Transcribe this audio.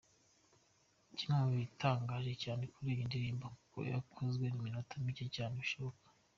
Kimwe mu bitangaje cyane kuri iyi ndirimbo ni uko yakozwe iminota mike cyane bishoboka.